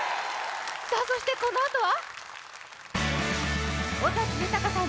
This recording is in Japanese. そしてこのあとは？